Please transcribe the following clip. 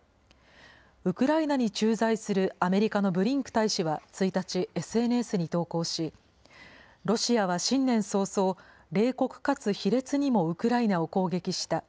ウクライナに駐在するアメリカのブリンク大使は１日、ＳＮＳに投稿し、ロシアは新年早々、冷酷かつ卑劣にもウクライナを攻撃した。